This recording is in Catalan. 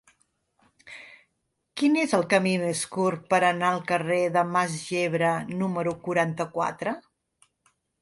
Quin és el camí més curt per anar al carrer de Mas Yebra número quaranta-quatre?